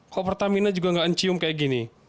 kok pertamina juga gak mencium kayak gini